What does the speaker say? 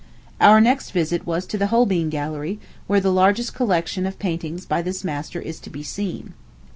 Our next visit was to the Holbein Gallery, where the largest collection of paintings by this master is to be seen.